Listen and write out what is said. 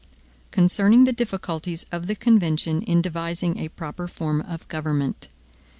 37 Concerning the Difficulties of the Convention in Devising a Proper Form of Government.